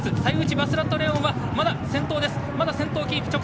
バスラットレオンは、まだ先頭。